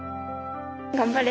頑張れ。